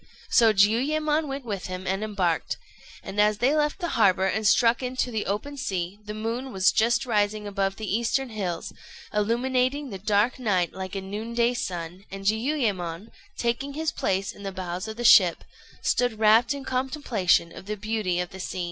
So Jiuyémon went with him and embarked; and as they left the harbour and struck into the open sea, the moon was just rising above the eastern hills, illumining the dark night like a noonday sun; and Jiuyémon, taking his place in the bows of the ship, stood wrapt in contemplation of the beauty of the scene.